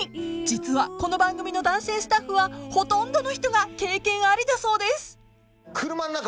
［実はこの番組の男性スタッフはほとんどの人が経験ありだそうです］